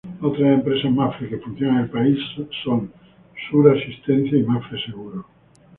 Otras empresas Mapfre que funcionan en el país son Sur Asistencia y Mapfre Reaseguros.